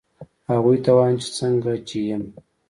هغوی ته وایم چې څنګه چې یم